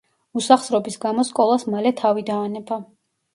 უსახსრობის გამო სკოლას მალე თავი დაანება.